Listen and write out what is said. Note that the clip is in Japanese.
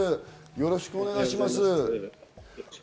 よろしくお願いします。